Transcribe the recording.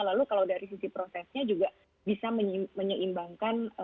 lalu kalau dari sisi prosesnya juga bisa menyeimbangkan